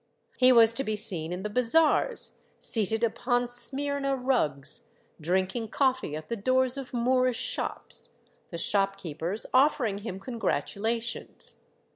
He was to be seen in the bazaars, seated upon Smyrna rugs, drinking coffee at the doors of Moorish shops, the shop keepers offering him con gratulations.